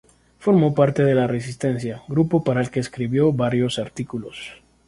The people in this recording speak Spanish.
Formó parte de la Resistencia, grupo para el que escribió varios artículos.